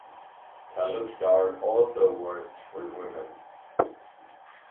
Talukdar also worked for women.